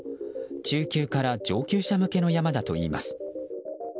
中級から上級者向けの山だといいます。